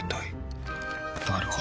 なるほどね。